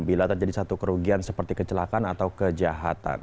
bila terjadi satu kerugian seperti kecelakaan atau kejahatan